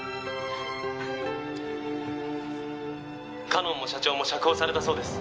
「かのんも社長も釈放されたそうです」